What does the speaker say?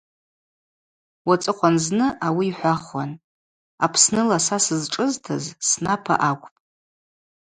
Уацӏыхъван зны ауи йхӏвахуаштӏ: Аспныла сара сызшӏызтыз снапа акӏвпӏ.